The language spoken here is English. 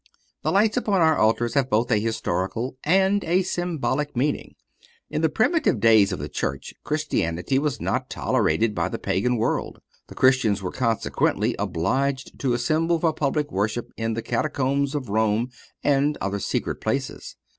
The lights upon our altars have both a historical and a symbolical meaning. In the primitive days of the Church Christianity was not tolerated by the Pagan world. The Christians were, consequently, obliged to assemble for public worship in the Catacombs of Rome and other secret places.